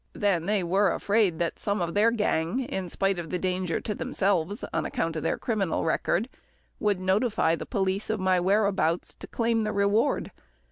Then they were afraid that some of their gang, in spite of the danger to themselves on account of their criminal record, would notify the police of my whereabouts, and claim the reward.